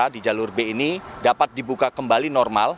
di jalur b ini dapat dibuka kembali normal